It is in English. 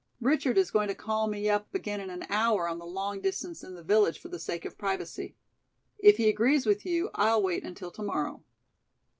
Richard is going to call me up again in an hour on the long distance in the village for the sake of privacy. If he agrees with you, I'll wait until to morrow."